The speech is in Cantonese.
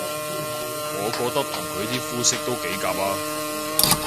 我覺得同佢啲膚色都幾夾吖